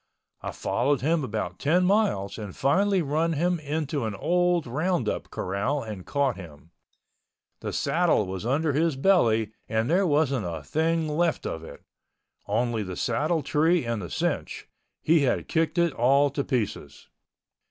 I followed him about ten miles and finally run him into an old roundup corral and caught him. The saddle was under his belly and there wasn't a thing left of it—only the saddle tree and the cinch—he had kicked it all to pieces.